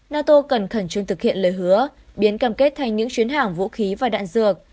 nato cần khẩn trương thực hiện lời hứa biến cam kết thành những chuyến hàng vũ khí và đạn dược